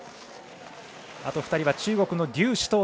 あと２人は中国の劉思